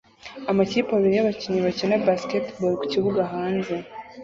amakipe abiri y'abakinnyi bakina basketball ku kibuga hanze